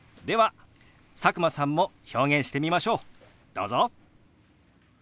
どうぞ！